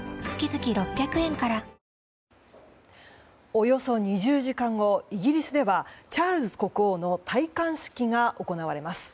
およそ２０時間後イギリスではチャールズ国王の戴冠式が行われます。